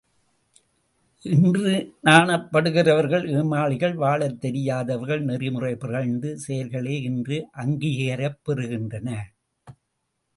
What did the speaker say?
இன்று நாணப்படுகிறவர்கள் ஏமாளிகள் வாழத் தெரியாதவர்கள் நெறிமுறை பிறழ்ந்த செயல்களே இன்று அங்கீகரிக்கப் பெறுகின்றன!